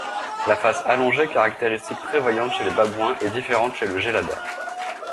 La face allongée caractéristique très voyante chez les babouins est différente chez le gélada.